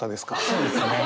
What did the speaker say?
そうですね。